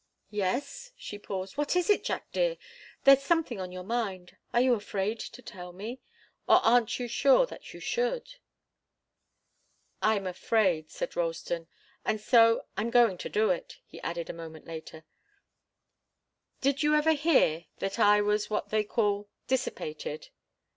"Yes?" She paused. "What is it, Jack dear? There's something on your mind are you afraid to tell me? Or aren't you sure that you should?" "I'm afraid," said Ralston. "And so I'm going to do it," he added a moment later. "Did you ever hear that I was what they call dissipated?"